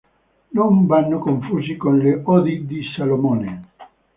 Non vanno confusi con le "Odi di Salomone".